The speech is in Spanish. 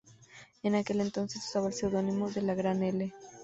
En aquel entonces, usaba el seudónimo de "la Gran L".